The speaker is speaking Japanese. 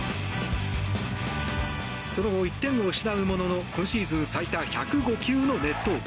その後、１点を失うものの今シーズン最多１０５球の熱投。